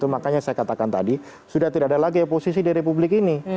makanya saya katakan tadi sudah tidak ada lagi oposisi di republik ini